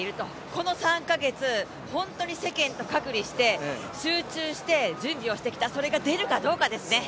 この３か月、本当に世間と隔離して集中して準備をしてきたそれが出るかどうかですね。